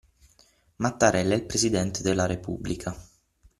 Mattarella è il presidente della Repubblica.